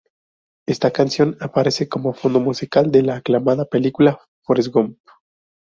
Esta canción aparece como fondo musical de la aclamada película Forrest Gump.